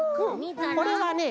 これはね